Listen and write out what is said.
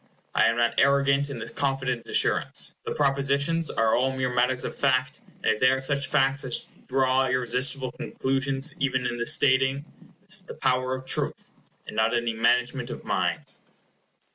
I am not arrogant in this confident assurance. The propositions are all mere matters of fact, and if they are such facts as draw irresistible conclusions even in the stating, this is the power of truth, and not any management of mine.